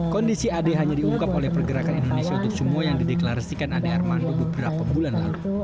kondisi ade hanya diungkap oleh pergerakan indonesia untuk semua yang dideklarasikan ade armando beberapa bulan lalu